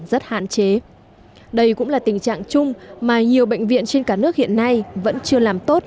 rất hạn chế đây cũng là tình trạng chung mà nhiều bệnh viện trên cả nước hiện nay vẫn chưa làm tốt